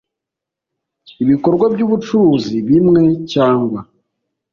ibikorwa by ubucuruzi bimwe cyangwa